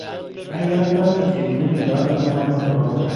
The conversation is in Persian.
به من یاد داد که چگونه بیدار بمانم و دعا کنم.